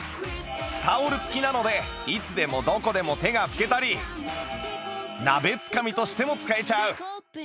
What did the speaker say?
タオル付きなのでいつでもどこでも手が拭けたり鍋つかみとしても使えちゃう